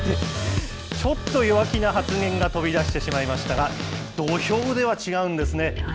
ちょっと弱気な発言が飛び出してしまいましたが、土俵では違うんですね。